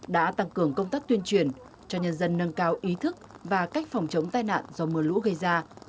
đã tăng cường công tác tuyên truyền cho nhân dân nâng cao ý thức và cách phòng chống tai nạn do mưa lũ gây ra